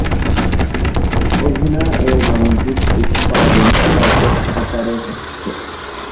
অধুনা এর বাণিজ্যিক উৎপাদন ব্যাপক আকারে হচ্ছে।